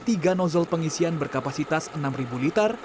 tiga nozzle pengisian berkapasitas enam liter